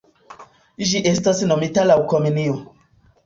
Ĝi estas nomita laŭ Komenio.